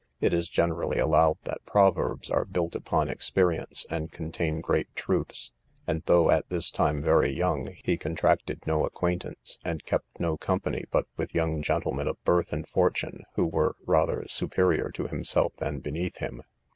It is generally allowed that proverbs are built upon experience, and contain great truths; and though at this time very young, he contracted no acquaintance, and kept no company, but with young gentlemen of birth and fortune, who were rather superior to himself than beneath him.